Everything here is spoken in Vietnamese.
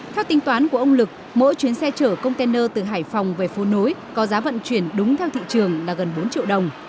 theo tính toán của ông lực mỗi chuyến xe chở container từ hải phòng về phố nối có giá vận chuyển đúng theo thị trường là gần bốn triệu đồng